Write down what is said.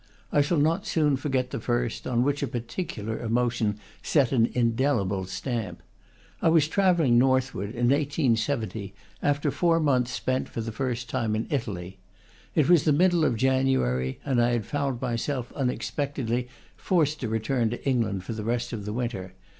I shall not soon forget the first, on which a particular emotion set indelible stamp. I was travelling northward, in 1870, after four months spent, for the first time, in Italy. It was the middle of January, and I had found myself, unexpected ly, forced to return to England for the rest of the winter.